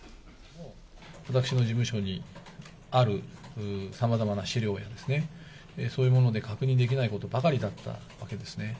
私の事務所にあるさまざまな資料やですね、そういうもので確認できないことばかりだったわけですね。